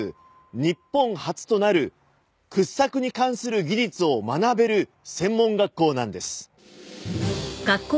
日本初となる掘削に関する技術を学べる専門学校なんです。